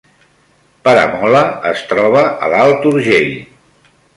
Peramola es troba a l’Alt Urgell